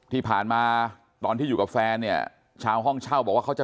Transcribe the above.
ที่ผ่านมาตอนที่อยู่กับแฟนเนี่ยชาวห้องเช่าบอกว่าเขาจะ